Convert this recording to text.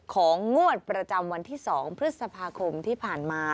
ของงวดประจำวันที่๒พฤษภาคมที่ผ่านมา